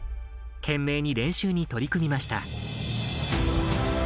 懸命に練習に取り組みました。